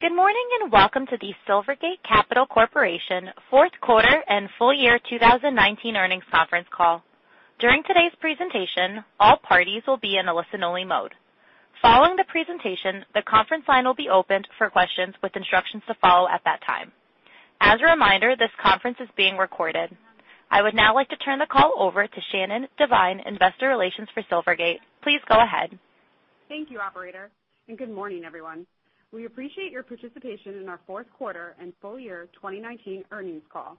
Good morning. Welcome to the Silvergate Capital Corporation fourth quarter and full year 2019 earnings conference call. During today's presentation, all parties will be in a listen-only mode. Following the presentation, the conference line will be opened for questions with instructions to follow at that time. As a reminder, this conference is being recorded. I would now like to turn the call over to Shannon Devine, investor relations for Silvergate. Please go ahead. Thank you, operator, and good morning, everyone. We appreciate your participation in our fourth quarter and full year 2019 earnings call.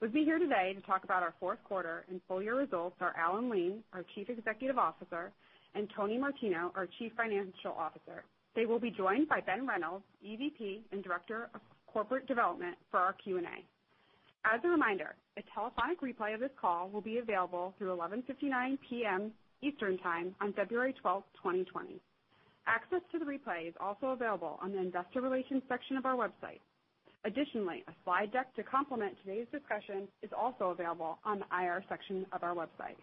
With me here today to talk about our fourth quarter and full year results are Alan Lane, our Chief Executive Officer, and Antonio Martino, our Chief Financial Officer. They will be joined by Ben Reynolds, EVP and Director of Corporate Development for our Q&A. As a reminder, a telephonic replay of this call will be available through 11:59 P.M. Eastern Time on February 12th, 2020. Access to the replay is also available on the investor relations section of our website. Additionally, a slide deck to complement today's discussion is also available on the IR section of our website.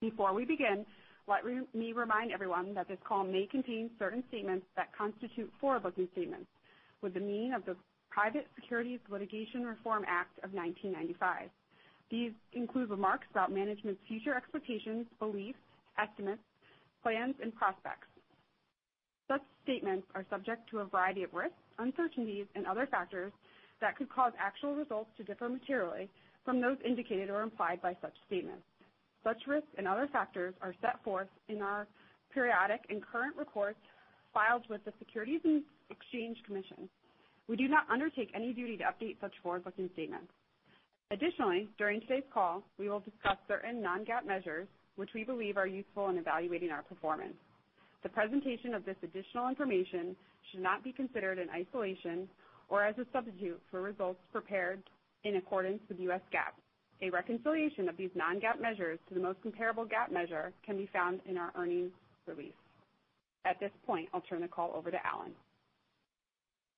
Before we begin, let me remind everyone that this call may contain certain statements that constitute forward-looking statements with the meaning of the Private Securities Litigation Reform Act of 1995. These include remarks about management's future expectations, beliefs, estimates, plans, and prospects. Such statements are subject to a variety of risks, uncertainties, and other factors that could cause actual results to differ materially from those indicated or implied by such statements. Such risks and other factors are set forth in our periodic and current reports filed with the Securities and Exchange Commission. We do not undertake any duty to update such forward-looking statements. Additionally, during today's call, we will discuss certain non-GAAP measures which we believe are useful in evaluating our performance. The presentation of this additional information should not be considered in isolation or as a substitute for results prepared in accordance with U.S. GAAP. A reconciliation of these non-GAAP measures to the most comparable GAAP measure can be found in our earnings release. At this point, I'll turn the call over to Alan.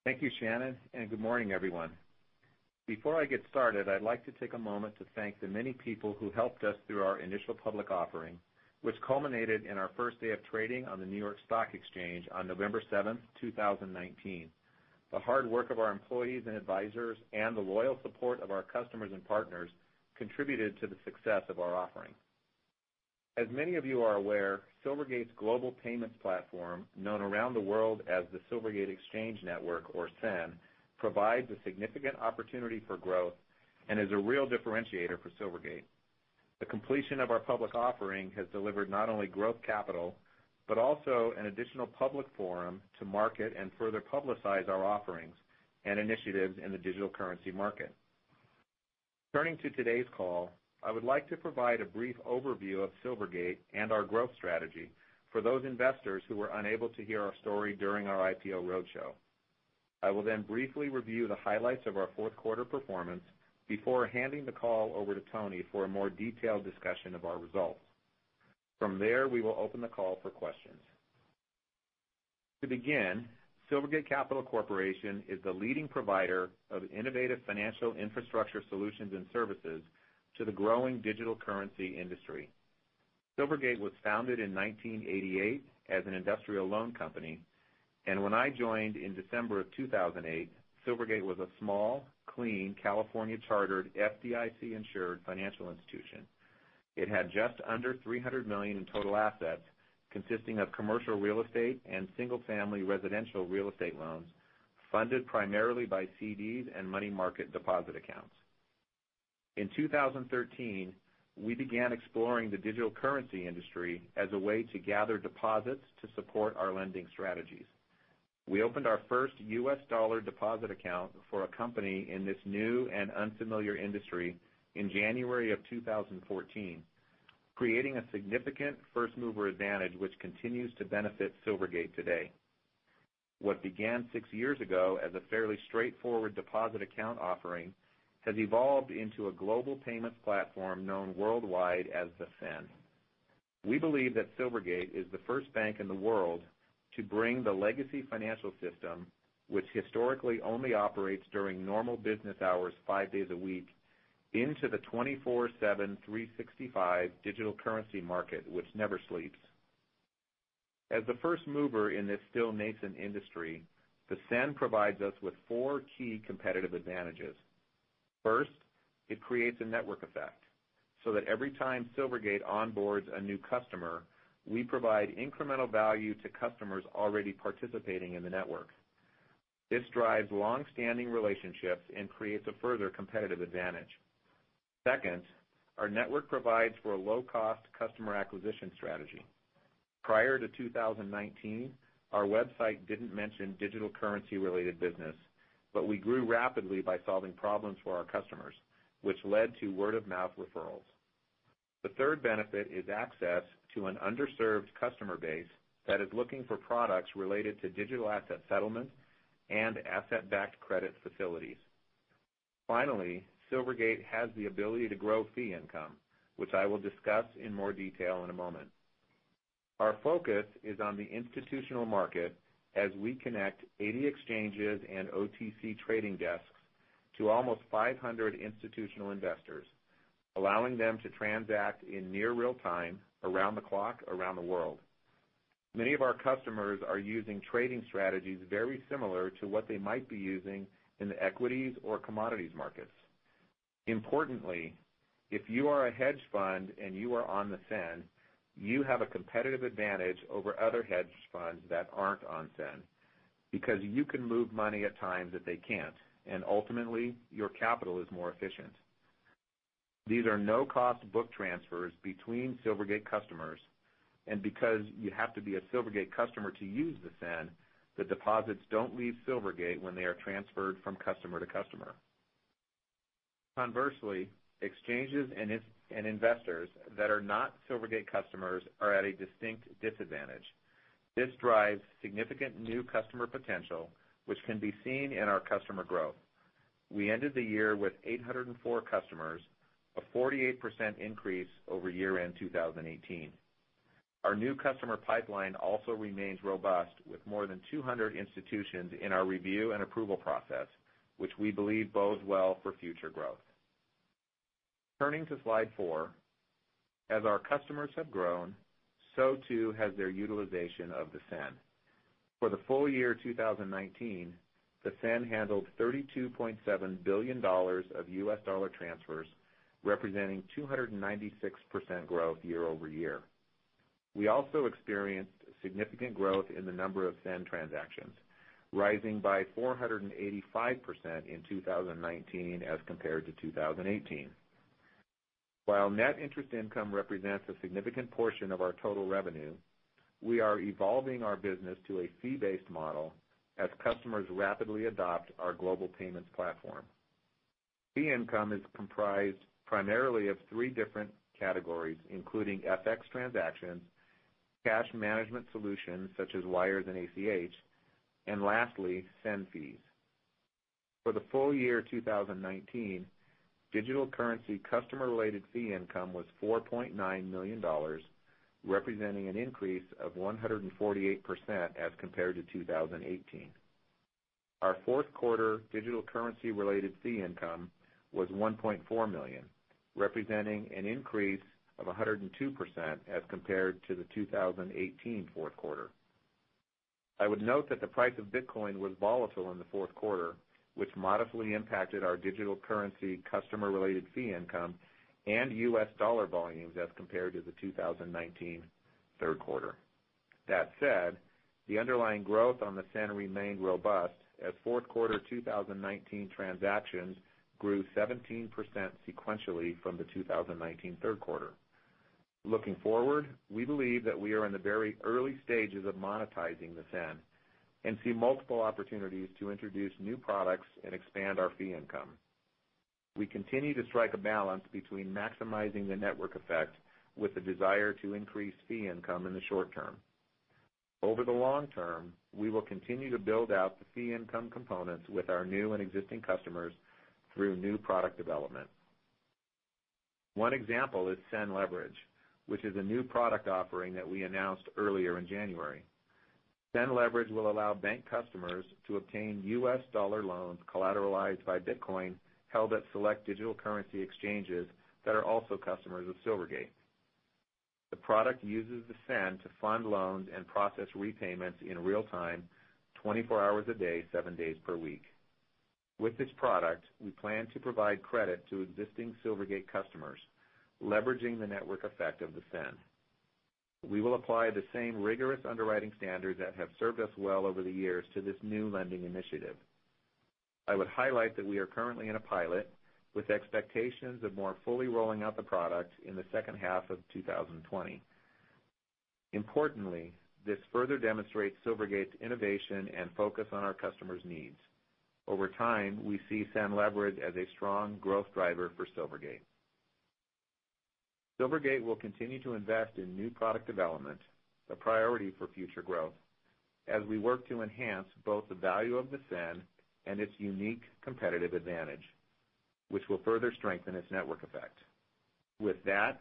Thank you, Shannon, and good morning, everyone. Before I get started, I'd like to take a moment to thank the many people who helped us through our initial public offering, which culminated in our first day of trading on the New York Stock Exchange on November 7th, 2019. The hard work of our employees and advisors and the loyal support of our customers and partners contributed to the success of our offering. As many of you are aware, Silvergate's global payments platform, known around the world as the Silvergate Exchange Network, or SEN, provides a significant opportunity for growth and is a real differentiator for Silvergate. The completion of our public offering has delivered not only growth capital but also an additional public forum to market and further publicize our offerings and initiatives in the digital currency market. Turning to today's call, I would like to provide a brief overview of Silvergate and our growth strategy for those investors who were unable to hear our story during our IPO roadshow. I will briefly review the highlights of our fourth quarter performance before handing the call over to Antonio Martino for a more detailed discussion of our results. From there, we will open the call for questions. To begin, Silvergate Capital Corporation is the leading provider of innovative financial infrastructure solutions and services to the growing digital currency industry. Silvergate was founded in 1988 as an industrial loan company, and when I joined in December of 2008, Silvergate was a small, clean, California-chartered FDIC-insured financial institution. It had just under $300 million in total assets consisting of commercial real estate and single-family residential real estate loans funded primarily by CDs and money market deposit accounts. In 2013, we began exploring the digital currency industry as a way to gather deposits to support our lending strategies. We opened our first U.S. dollar deposit account for a company in this new and unfamiliar industry in January of 2014, creating a significant first-mover advantage which continues to benefit Silvergate today. What began six years ago as a fairly straightforward deposit account offering has evolved into a global payments platform known worldwide as the SEN. We believe that Silvergate is the first bank in the world to bring the legacy financial system, which historically only operates during normal business hours, five days a week, into the 24 seven, 365 digital currency market, which never sleeps. As the first mover in this still nascent industry, the SEN provides us with four key competitive advantages. First, it creates a network effect so that every time Silvergate onboards a new customer, we provide incremental value to customers already participating in the network. This drives long-standing relationships and creates a further competitive advantage. Second, our network provides for a low-cost customer acquisition strategy. Prior to 2019, our website didn't mention digital currency-related business, but we grew rapidly by solving problems for our customers, which led to word-of-mouth referrals. The third benefit is access to an underserved customer base that is looking for products related to digital asset settlement and asset-backed credit facilities. Finally, Silvergate has the ability to grow fee income, which I will discuss in more detail in a moment. Our focus is on the institutional market as we connect 80 exchanges and OTC trading desks to almost 500 institutional investors, allowing them to transact in near real time around the clock, around the world. Many of our customers are using trading strategies very similar to what they might be using in the equities or commodities markets. Importantly, if you are a hedge fund and you are on the SEN, you have a competitive advantage over other hedge funds that aren't on SEN, because you can move money at times that they can't, and ultimately, your capital is more efficient. These are no-cost book transfers between Silvergate customers, and because you have to be a Silvergate customer to use the SEN, the deposits don't leave Silvergate when they are transferred from customer to customer. Conversely, exchanges and investors that are not Silvergate customers are at a distinct disadvantage. This drives significant new customer potential, which can be seen in our customer growth. We ended the year with 804 customers, a 48% increase over year-end 2018. Our new customer pipeline also remains robust with more than 200 institutions in our review and approval process, which we believe bodes well for future growth. Turning to slide four. As our customers have grown, so too has their utilization of the SEN. For the full year 2019, the SEN handled $32.7 billion of US dollar transfers, representing 296% growth year-over-year. We also experienced significant growth in the number of SEN transactions, rising by 485% in 2019 as compared to 2018. While net interest income represents a significant portion of our total revenue, we are evolving our business to a fee-based model as customers rapidly adopt our global payments platform. Fee income is comprised primarily of three different categories, including FX transactions, cash management solutions such as wires and ACH, and lastly, SEN fees. For the full year 2019, digital currency customer-related fee income was $4.9 million, representing an increase of 148% as compared to 2018. Our fourth quarter digital currency-related fee income was $1.4 million, representing an increase of 102% as compared to the 2018 fourth quarter. I would note that the price of Bitcoin was volatile in the fourth quarter, which modestly impacted our digital currency customer-related fee income and U.S. dollar volumes as compared to the 2019 third quarter. That said, the underlying growth on the SEN remained robust as fourth quarter 2019 transactions grew 17% sequentially from the 2019 third quarter. Looking forward, we believe that we are in the very early stages of monetizing the SEN and see multiple opportunities to introduce new products and expand our fee income. We continue to strike a balance between maximizing the network effect with the desire to increase fee income in the short term. Over the long term, we will continue to build out the fee income components with our new and existing customers through new product development. One example is SEN Leverage, which is a new product offering that we announced earlier in January. SEN Leverage will allow bank customers to obtain U.S. dollar loans collateralized by Bitcoin held at select digital currency exchanges that are also customers of Silvergate. The product uses the SEN to fund loans and process repayments in real time, 24 hours a day, seven days per week. With this product, we plan to provide credit to existing Silvergate customers, leveraging the network effect of the SEN. We will apply the same rigorous underwriting standards that have served us well over the years to this new lending initiative. I would highlight that we are currently in a pilot, with expectations of more fully rolling out the product in the second half of 2020. Importantly, this further demonstrates Silvergate's innovation and focus on our customers' needs. Over time, we see SEN Leverage as a strong growth driver for Silvergate. Silvergate will continue to invest in new product development, a priority for future growth, as we work to enhance both the value of the SEN and its unique competitive advantage, which will further strengthen its network effect. With that,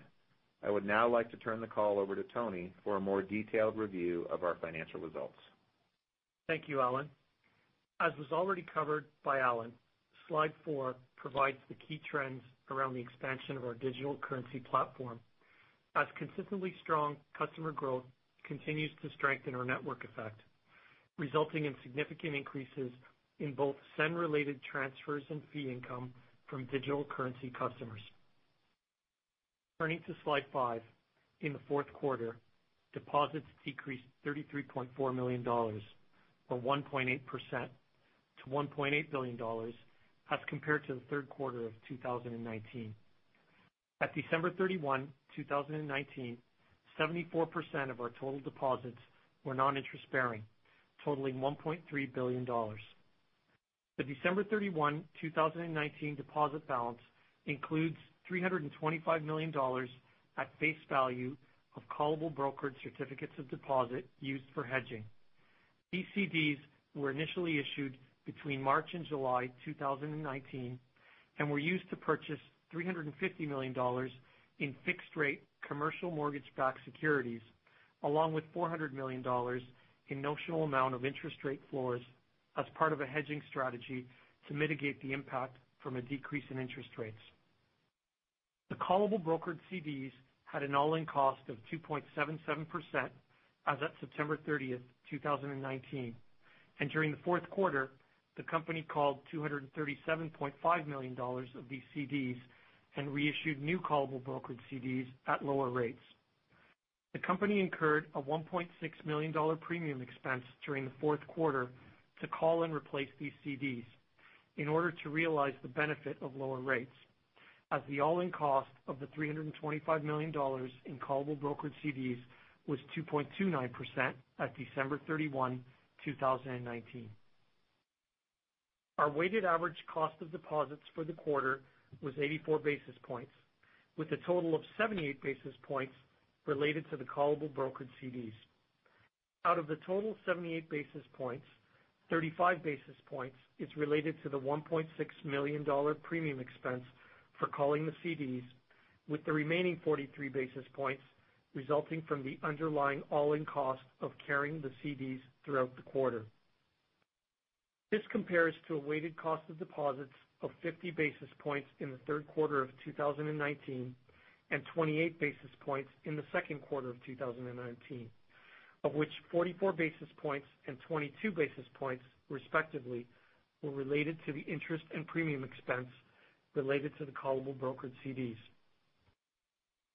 I would now like to turn the call over to Antonio Martino for a more detailed review of our financial results. Thank you, Alan. As was already covered by Alan, slide four provides the key trends around the expansion of our digital currency platform as consistently strong customer growth continues to strengthen our network effect, resulting in significant increases in both SEN-related transfers and fee income from digital currency customers. Turning to slide five. In the fourth quarter, deposits decreased $33.4 million, or 1.8%, to $1.8 billion as compared to the third quarter of 2019. At December 31, 2019, 74% of our total deposits were non-interest-bearing, totaling $1.3 billion. The December 31, 2019 deposit balance includes $325 million at face value of callable brokered certificates of deposit used for hedging. BCDs were initially issued between March and July 2019 and were used to purchase $350 million in fixed-rate commercial mortgage-backed securities. Along with $400 million in notional amount of interest rate floors as part of a hedging strategy to mitigate the impact from a decrease in interest rates. The callable brokered CDs had an all-in cost of 2.77% as of September 30th, 2019. During the fourth quarter, the company called $237.5 million of these CDs and reissued new callable brokered CDs at lower rates. The company incurred a $1.6 million premium expense during the fourth quarter to call and replace these CDs in order to realize the benefit of lower rates, as the all-in cost of the $325 million in callable brokered CDs was 2.29% at December 31, 2019. Our weighted average cost of deposits for the quarter was 84 basis points, with a total of 78 basis points related to the callable brokered CDs. Out of the total 78 basis points, 35 basis points is related to the $1.6 million premium expense for calling the CDs, with the remaining 43 basis points resulting from the underlying all-in cost of carrying the CDs throughout the quarter. This compares to a weighted cost of deposits of 50 basis points in the third quarter of 2019 and 28 basis points in the second quarter of 2019, of which 44 basis points and 22 basis points, respectively, were related to the interest and premium expense related to the callable brokered CDs.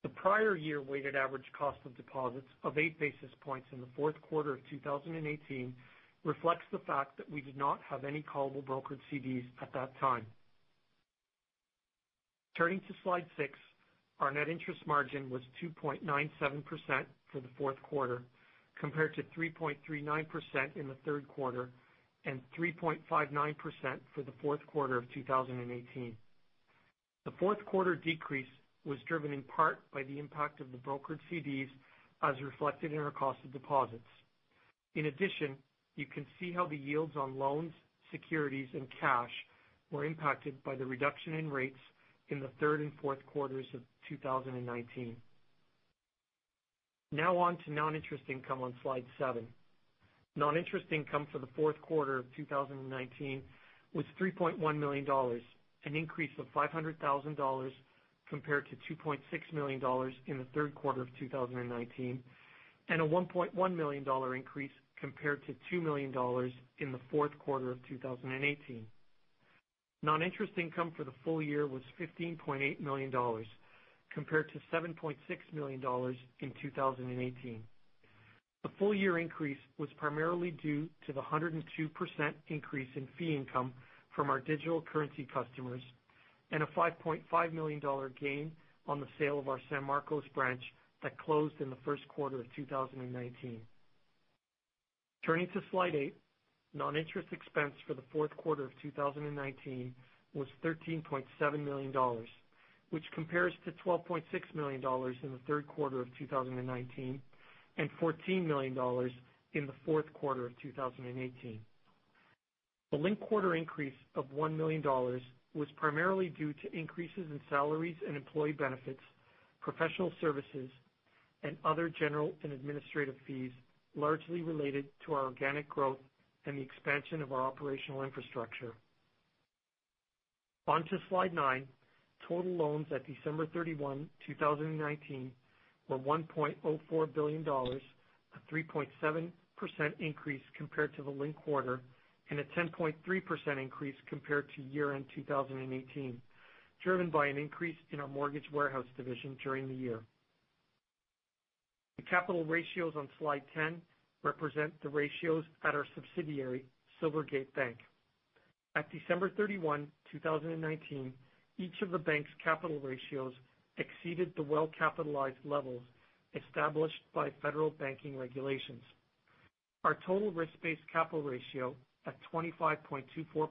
The prior year weighted average cost of deposits of eight basis points in the fourth quarter of 2018 reflects the fact that we did not have any callable brokered CDs at that time. Turning to slide six, our net interest margin was 2.97% for the fourth quarter, compared to 3.39% in the third quarter and 3.59% for the fourth quarter of 2018. The fourth quarter decrease was driven in part by the impact of the brokered CDs as reflected in our cost of deposits. In addition, you can see how the yields on loans, securities, and cash were impacted by the reduction in rates in the third and fourth quarters of 2019. On to non-interest income on slide seven. Non-interest income for the fourth quarter of 2019 was $3.1 million, an increase of $500,000 compared to $2.6 million in the third quarter of 2019, and a $1.1 million increase compared to $2 million in the fourth quarter of 2018. Non-interest income for the full year was $15.8 million, compared to $7.6 million in 2018. The full-year increase was primarily due to the 102% increase in fee income from our digital currency customers and a $5.5 million gain on the sale of our San Marcos branch that closed in the first quarter of 2019. Turning to slide eight, non-interest expense for the fourth quarter of 2019 was $13.7 million, which compares to $12.6 million in the third quarter of 2019 and $14 million in the fourth quarter of 2018. The linked quarter increase of $1 million was primarily due to increases in salaries and employee benefits, professional services, and other general and administrative fees, largely related to our organic growth and the expansion of our operational infrastructure. On to slide nine, total loans at December 31, 2019, were $1.04 billion, a 3.7% increase compared to the linked quarter and a 10.3% increase compared to year-end 2018, driven by an increase in our mortgage warehouse division during the year. The capital ratios on slide 10 represent the ratios at our subsidiary, Silvergate Bank. At December 31, 2019, each of the bank's capital ratios exceeded the well-capitalized levels established by federal banking regulations. Our total risk-based capital ratio at 25.24%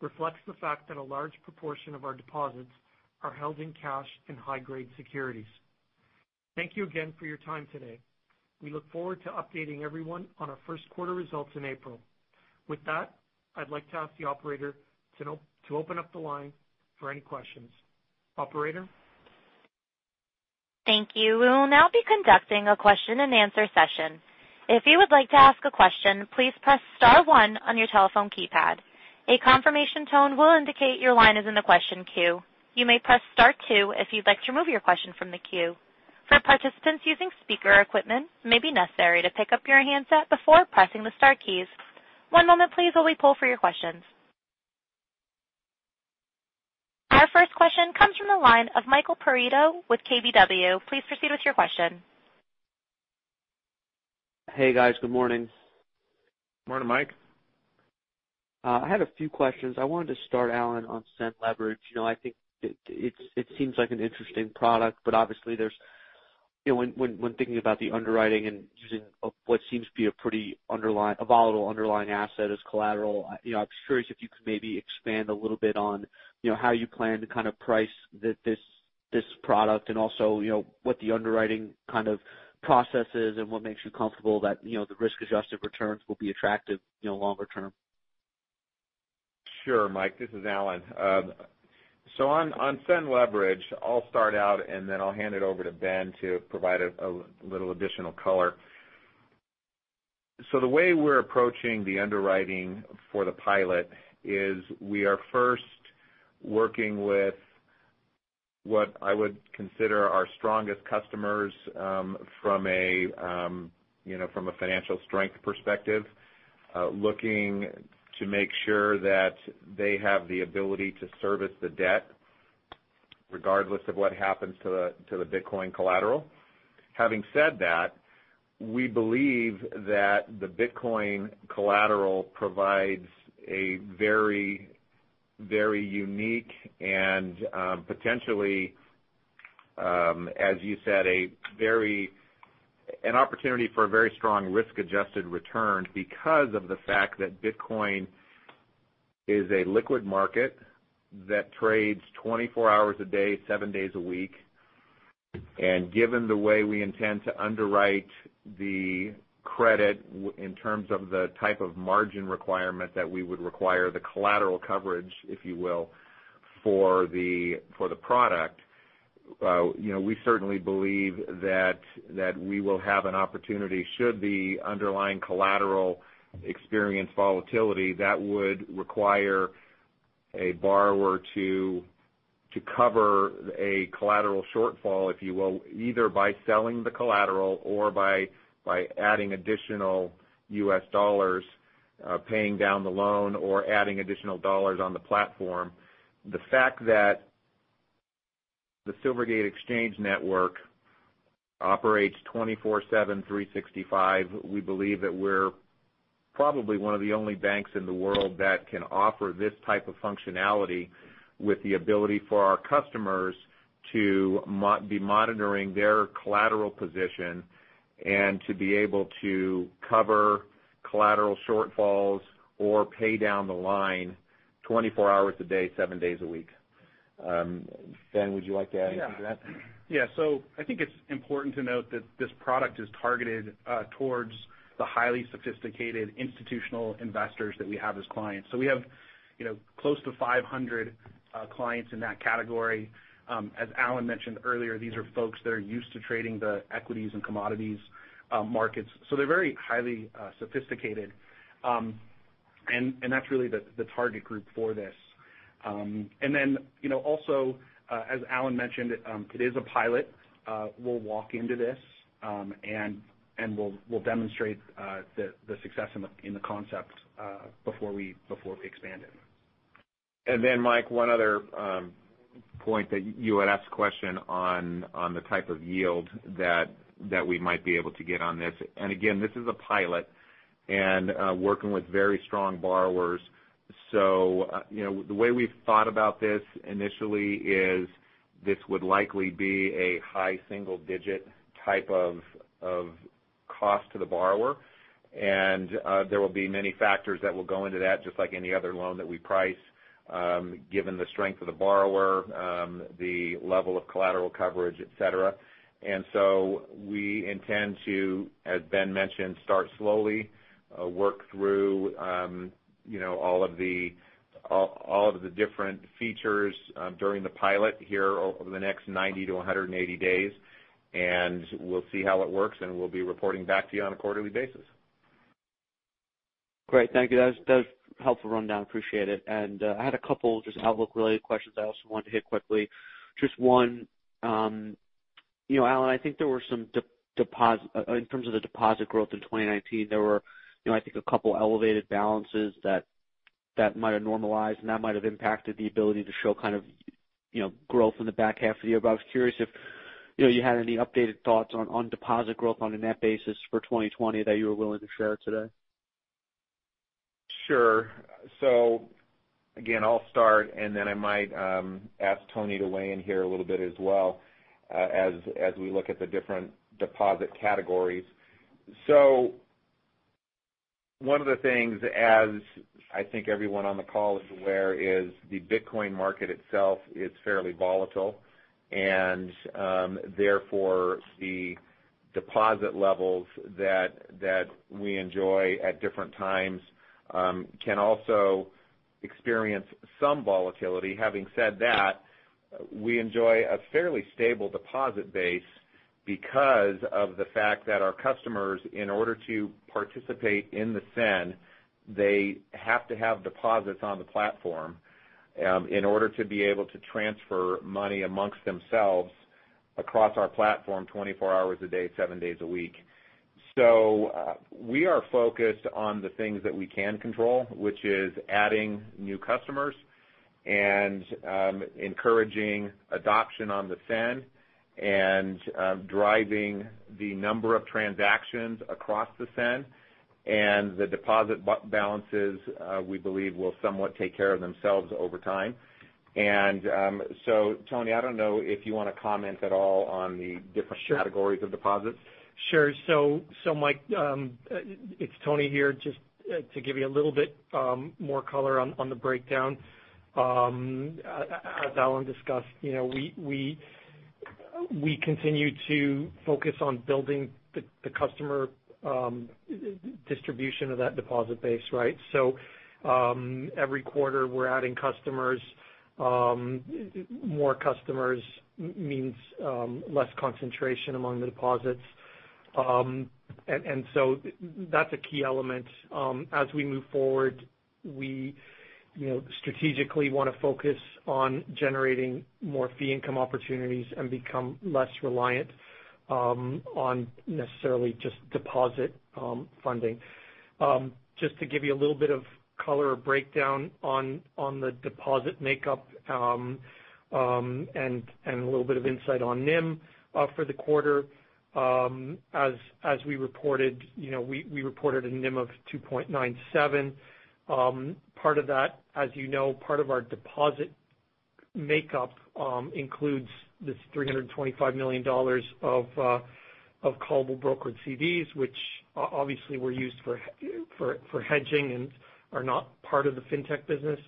reflects the fact that a large proportion of our deposits are held in cash and high-grade securities. Thank you again for your time today. We look forward to updating everyone on our first quarter results in April. With that, I'd like to ask the operator to open up the line for any questions. Operator? Thank you. We will now be conducting a question-and-answer session. If you would like to ask a question, please press *1 on your telephone keypad. A confirmation tone will indicate your line is in the question queue. You may press *2 if you'd like to remove your question from the queue. For participants using speaker equipment, it may be necessary to pick up your handset before pressing the star keys. One moment please while we poll for your questions. Our first question comes from the line of Michael Perito with KBW. Please proceed with your question. Hey, guys. Good morning. Morning, Michael Perito. I had a few questions. I wanted to start, Alan, on SEN Leverage. I think it seems like an interesting product, but obviously when thinking about the underwriting and using what seems to be a pretty volatile underlying asset as collateral, I was curious if you could maybe expand a little bit on how you plan to price this product and also what the underwriting process is and what makes you comfortable that the risk-adjusted returns will be attractive longer term. Sure, Michael Perito, this is Alan. On SEN Leverage, I'll start out and then I'll hand it over to Ben to provide a little additional color. The way we're approaching the underwriting for the pilot is we are first working with what I would consider our strongest customers from a financial strength perspective. Looking to make sure that they have the ability to service the debt regardless of what happens to the Bitcoin collateral. Having said that, we believe that the Bitcoin collateral provides a very unique and potentially, as you said, an opportunity for a very strong risk-adjusted return because of the fact that Bitcoin is a liquid market that trades 24 hours a day, seven days a week. Given the way we intend to underwrite the credit in terms of the type of margin requirement that we would require the collateral coverage, if you will, for the product. We certainly believe that we will have an opportunity should the underlying collateral experience volatility that would require a borrower to cover a collateral shortfall, if you will, either by selling the collateral or by adding additional US dollars, paying down the loan, or adding additional dollars on the platform. The fact that the Silvergate Exchange Network operates 24/7, 365, we believe that we're probably one of the only banks in the world that can offer this type of functionality with the ability for our customers to be monitoring their collateral position and to be able to cover collateral shortfalls or pay down the line 24 hours a day, 7 days a week. Ben, would you like to add anything to that? I think it's important to note that this product is targeted towards the highly sophisticated institutional investors that we have as clients. We have close to 500 clients in that category. As Alan mentioned earlier, these are folks that are used to trading the equities and commodities markets. They're very highly sophisticated, and that's really the target group for this. Also, as Alan mentioned, it is a pilot. We'll walk into this, and we'll demonstrate the success in the concept before we expand it. Michael Perito, one other point that you had asked a question on the type of yield that we might be able to get on this. Again, this is a pilot and working with very strong borrowers. The way we've thought about this initially is this would likely be a high single-digit type of cost to the borrower. There will be many factors that will go into that, just like any other loan that we price, given the strength of the borrower, the level of collateral coverage, et cetera. We intend to, as Ben mentioned, start slowly, work through all of the different features during the pilot here over the next 90 to 180 days. We'll see how it works, and we'll be reporting back to you on a quarterly basis. Great. Thank you. That was a helpful rundown. Appreciate it. I had a couple just outlook-related questions I also wanted to hit quickly. Just one. Alan, I think there were some, in terms of the deposit growth in 2019, there were I think a couple of elevated balances that might have normalized and that might have impacted the ability to show growth in the back half of the year. I was curious if you had any updated thoughts on deposit growth on a net basis for 2020 that you were willing to share today. Sure. Again, I'll start, and then I might ask Antonio Martino to weigh in here a little bit as well as we look at the different deposit categories. One of the things, as I think everyone on the call is aware, is the Bitcoin market itself is fairly volatile. Therefore, the deposit levels that we enjoy at different times can also experience some volatility. Having said that, we enjoy a fairly stable deposit base because of the fact that our customers, in order to participate in the SEN, they have to have deposits on the platform in order to be able to transfer money amongst themselves across our platform 24 hours a day, seven days a week. We are focused on the things that we can control, which is adding new customers and encouraging adoption on the SEN and driving the number of transactions across the SEN. The deposit balances, we believe will somewhat take care of themselves over time. Antonio Martino, I don't know if you want to comment at all. Sure categories of deposits. Sure. Michael Perito, it's Antonio Martino here. Just to give you a little bit more color on the breakdown. As Alan discussed, we continue to focus on building the customer distribution of that deposit base. Every quarter, we're adding customers. More customers means less concentration among the deposits. That's a key element. As we move forward, we strategically want to focus on generating more fee income opportunities and become less reliant on necessarily just deposit funding. Just to give you a little bit of color or breakdown on the deposit makeup and a little bit of insight on NIM for the quarter. As we reported, we reported a NIM of 2.97. Part of that, as you know, part of our deposit makeup includes this $325 million of callable brokered CDs, which obviously were used for hedging and are not part of the fintech business.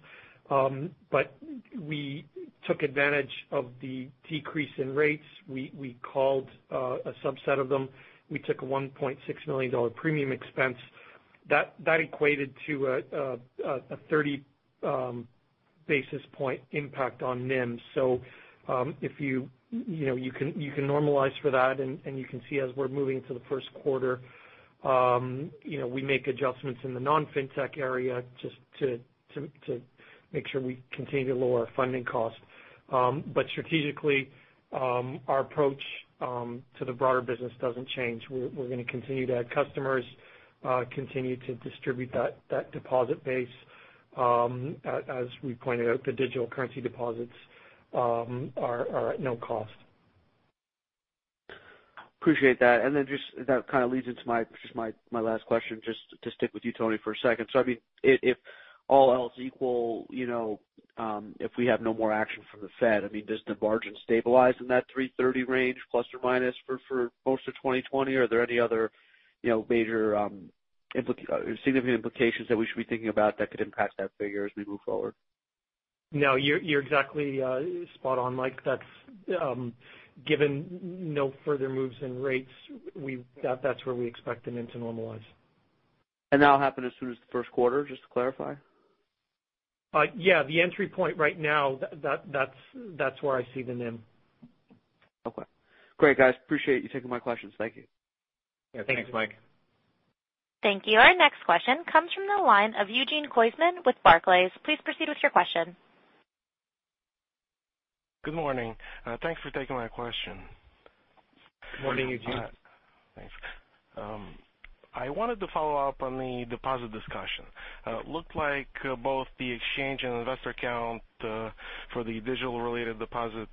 We took advantage of the decrease in rates. We called a subset of them. We took a $1.6 million premium expense. That equated to a 30 basis point impact on NIM. You can normalize for that, and you can see as we're moving into the first quarter we make adjustments in the non-fintech area just to make sure we continue to lower our funding costs. Strategically, our approach to the broader business doesn't change. We're going to continue to add customers, continue to distribute that deposit base. As we pointed out, the digital currency deposits are at no cost. Appreciate that. That kind of leads into just my last question, just to stick with you, Antonio Martino, for a second. If all else equal, if we have no more action from the Fed, does the margin stabilize in that 330 range ± for most of 2020? Are there any other significant implications that we should be thinking about that could impact that figure as we move forward? No, you're exactly spot on, Michael Perito. Given no further moves in rates, that's where we expect the NIM to normalize. That'll happen as soon as the first quarter, just to clarify? Yeah. The entry point right now, that's where I see the NIM. Okay. Great, guys. Appreciate you taking my questions. Thank you. Yeah. Thanks, Michael Perito. Thank you. Our next question comes from the line of Eugene Koysman with Barclays. Please proceed with your question. Good morning. Thanks for taking my question. Morning, Eugene Koysman. Thanks. I wanted to follow up on the deposit discussion. Looked like both the exchange and investor account for the digital-related deposits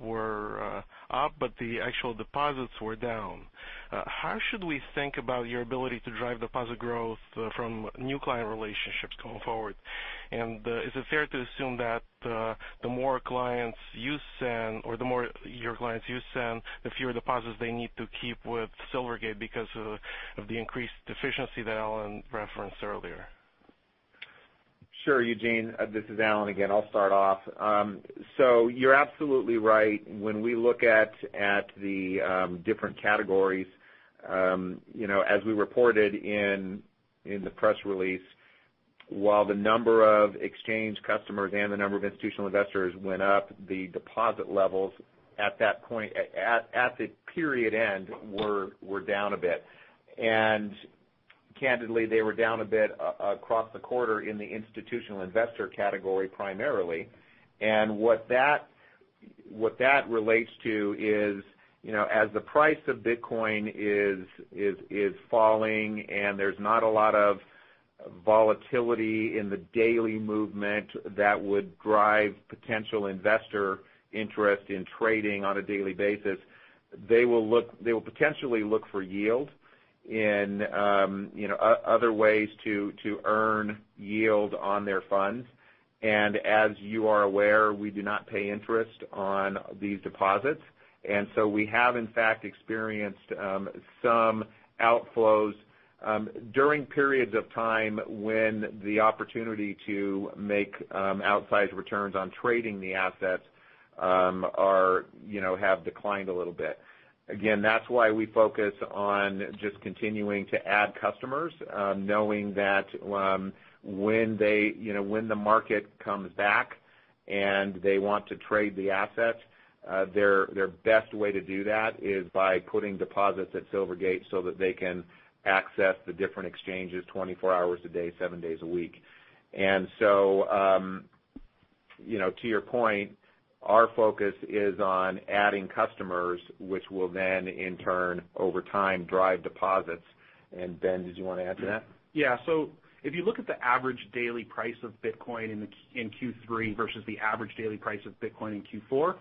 were up, but the actual deposits were down. How should we think about your ability to drive deposit growth from new client relationships going forward? Is it fair to assume that the more your clients you SEN, the fewer deposits they need to keep with Silvergate because of the increased efficiency that Alan referenced earlier? Sure, Eugene Koysman. This is Alan again. I'll start off. You're absolutely right. When we look at the different categories, as we reported in the press release, while the number of exchange customers and the number of institutional investors went up, the deposit levels at the period end were down a bit. Candidly, they were down a bit across the quarter in the institutional investor category, primarily. What that relates to is, as the price of Bitcoin is falling and there's not a lot of volatility in the daily movement that would drive potential investor interest in trading on a daily basis, they will potentially look for yield and other ways to earn yield on their funds. As you are aware, we do not pay interest on these deposits. We have in fact experienced some outflows during periods of time when the opportunity to make outsized returns on trading the assets have declined a little bit. Again, that's why we focus on just continuing to add customers, knowing that when the market comes back and they want to trade the asset, their best way to do that is by putting deposits at Silvergate so that they can access the different exchanges 24 hours a day, 7 days a week. To your point, our focus is on adding customers, which will then, in turn, over time, drive deposits. Ben, did you want to add to that? Yeah. If you look at the average daily price of Bitcoin in Q3 versus the average daily price of Bitcoin in Q4.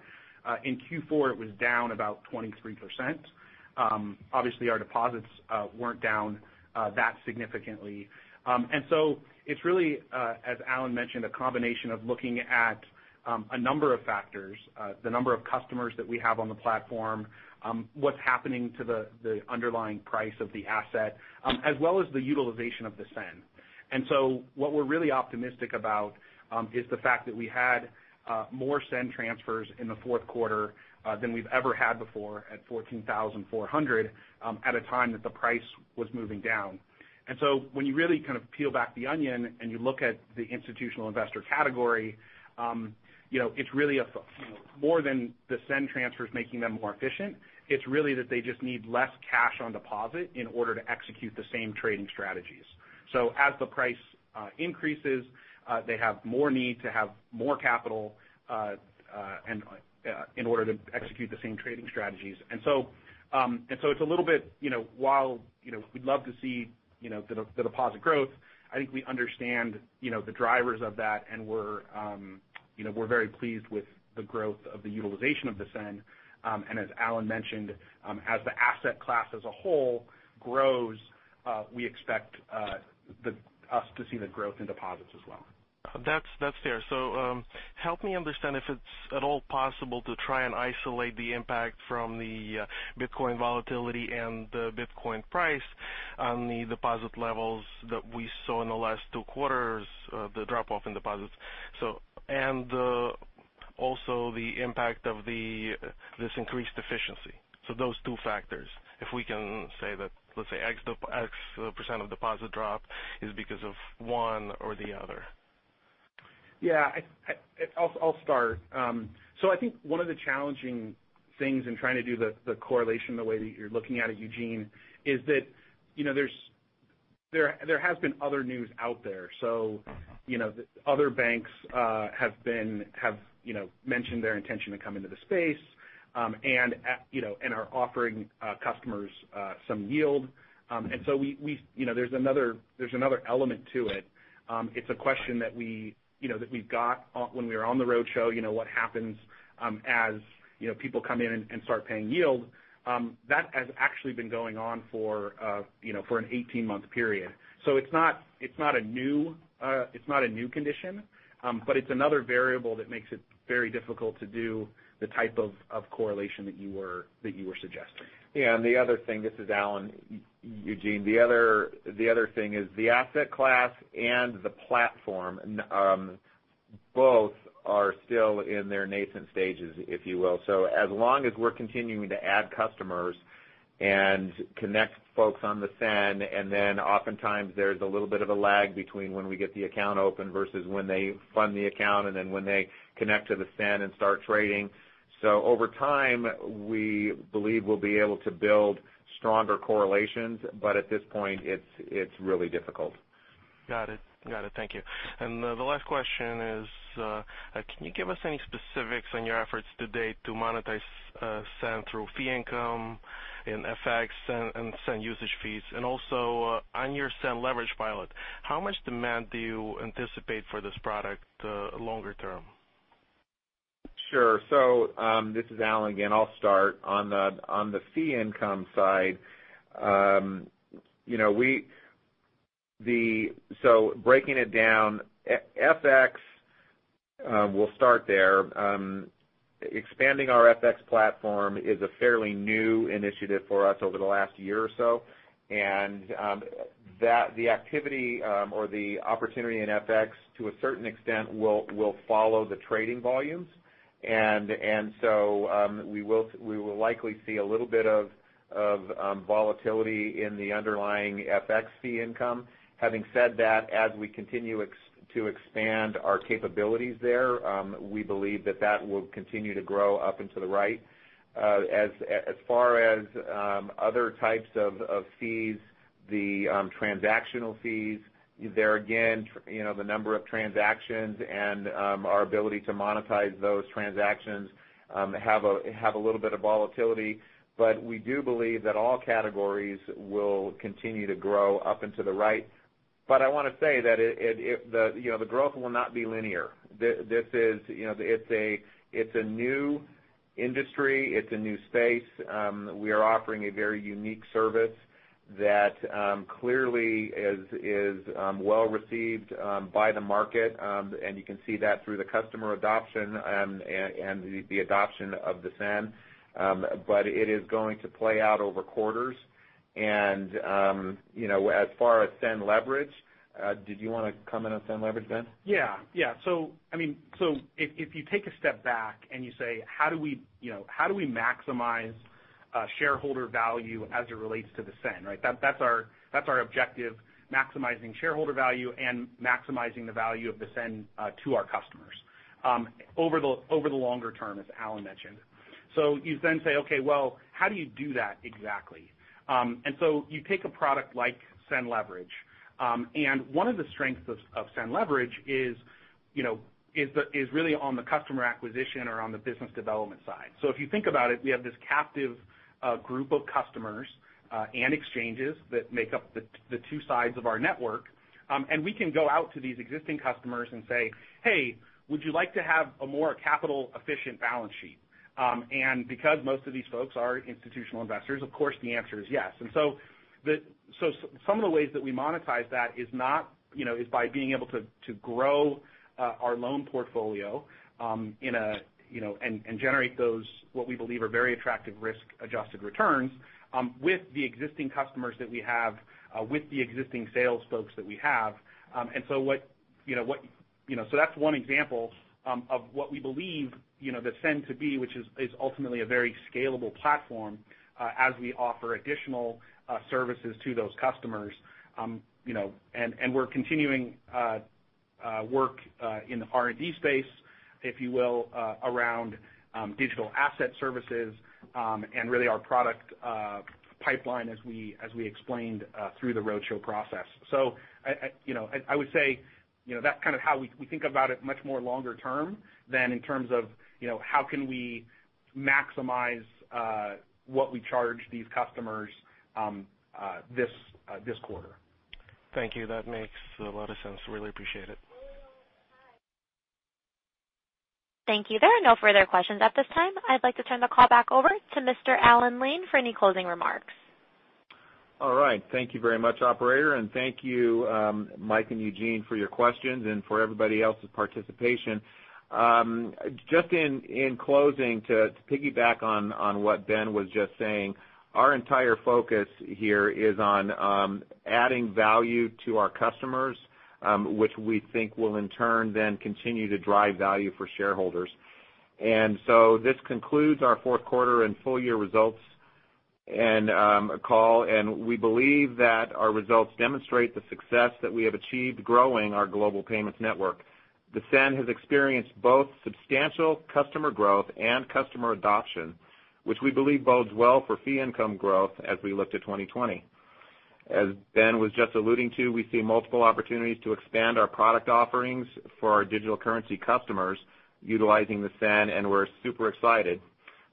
In Q4, it was down about 23%. Obviously, our deposits weren't down that significantly. It's really, as Alan mentioned, a combination of looking at a number of factors. The number of customers that we have on the platform, what's happening to the underlying price of the asset, as well as the utilization of the SEN. What we're really optimistic about is the fact that we had more SEN transfers in the fourth quarter than we've ever had before at 14,400, at a time that the price was moving down. When you really peel back the onion and you look at the institutional investor category, it's really more than the SEN transfers making them more efficient. It's really that they just need less cash on deposit in order to execute the same trading strategies. As the price increases, they have more need to have more capital in order to execute the same trading strategies. It's a little bit, while we'd love to see the deposit growth, I think we understand the drivers of that and we're very pleased with the growth of the utilization of the SEN. As Alan mentioned, as the asset class as a whole grows, we expect us to see the growth in deposits as well. That's fair. Help me understand if it's at all possible to try and isolate the impact from the Bitcoin volatility and the Bitcoin price on the deposit levels that we saw in the last two quarters, the drop-off in deposits. Also the impact of this increased efficiency. Those two factors, if we can say that, let's say X% of deposit drop is because of one or the other. Yeah. I'll start. I think one of the challenging things in trying to do the correlation the way that you're looking at it, Eugene Koysman, is that there has been other news out there. Other banks have mentioned their intention to come into the space, and are offering customers some yield. There's another element to it. It's a question that we've got when we are on the roadshow, what happens as people come in and start paying yield. That has actually been going on for an 18-month period. It's not a new condition. It's another variable that makes it very difficult to do the type of correlation that you were suggesting. Yeah. The other thing, this is Alan, Eugene Koysman, the other thing is the asset class and the platform, both are still in their nascent stages, if you will. As long as we're continuing to add customers and connect folks on the SEN, and then oftentimes there's a little bit of a lag between when we get the account open versus when they fund the account, and then when they connect to the SEN and start trading. Over time, we believe we'll be able to build stronger correlations. At this point, it's really difficult. Got it. Thank you. The last question is, can you give us any specifics on your efforts to date to monetize SEN through fee income in FX and SEN usage fees? On your SEN Leverage pilot, how much demand do you anticipate for this product longer term? Sure. This is Alan again. I'll start. On the fee income side, so breaking it down, FX, we'll start there. Expanding our FX platform is a fairly new initiative for us over the last year or so, and the activity or the opportunity in FX to a certain extent, will follow the trading volumes. We will likely see a little bit of volatility in the underlying FX fee income. Having said that, as we continue to expand our capabilities there, we believe that that will continue to grow up and to the right. As far as other types of fees, the transactional fees, there again, the number of transactions and our ability to monetize those transactions have a little bit of volatility. We do believe that all categories will continue to grow up and to the right. I want to say that the growth will not be linear. It's a new industry. It's a new space. We are offering a very unique service that clearly is well-received by the market, and you can see that through the customer adoption and the adoption of the SEN. It is going to play out over quarters. As far as SEN Leverage, did you want to comment on SEN Leverage, Ben? Yeah. If you take a step back and you say, how do we maximize shareholder value as it relates to the SEN, right? That's our objective, maximizing shareholder value and maximizing the value of the SEN to our customers over the longer term, as Alan mentioned. You then say, "Okay, well, how do you do that exactly?" You take a product like SEN Leverage. One of the strengths of SEN Leverage is really on the customer acquisition or on the business development side. If you think about it, we have this captive group of customers and exchanges that make up the two sides of our network. We can go out to these existing customers and say, "Hey, would you like to have a more capital-efficient balance sheet?" Because most of these folks are institutional investors, of course, the answer is yes. Some of the ways that we monetize that is by being able to grow our loan portfolio and generate those, what we believe are very attractive risk-adjusted returns with the existing customers that we have, with the existing sales folks that we have. So that's one example of what we believe the SEN to be, which is ultimately a very scalable platform as we offer additional services to those customers. We're continuing work in the R&D space, if you will around digital asset services and really our product pipeline as we explained through the roadshow process. I would say, that's how we think about it much more longer term than in terms of how can we maximize what we charge these customers this quarter. Thank you. That makes a lot of sense. Really appreciate it. Thank you. There are no further questions at this time. I'd like to turn the call back over to Mr. Alan Lane for any closing remarks. All right. Thank you very much, operator, and thank you, Michael Perito and Eugene Koysman, for your questions and for everybody else's participation. Just in closing, to piggyback on what Ben was just saying, our entire focus here is on adding value to our customers which we think will in turn then continue to drive value for shareholders. This concludes our fourth quarter and full year results and call. We believe that our results demonstrate the success that we have achieved growing our global payments network. The SEN has experienced both substantial customer growth and customer adoption, which we believe bodes well for fee income growth as we look to 2020. As Ben was just alluding to, we see multiple opportunities to expand our product offerings for our digital currency customers utilizing the SEN, and we're super excited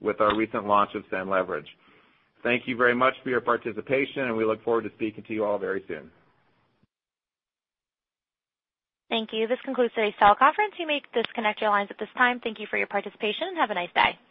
with our recent launch of SEN Leverage. Thank you very much for your participation. We look forward to speaking to you all very soon. Thank you. This concludes today's call conference. You may disconnect your lines at this time. Thank you for your participation and have a nice day.